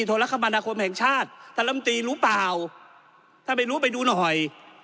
โทรคมนาคมแห่งชาติธรรมตีรู้เปล่าถ้าไม่รู้ไปดูหน่อย